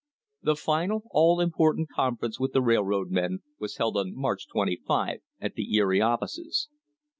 The final all important conference with the railroad men was held on March 25, at the Erie offices.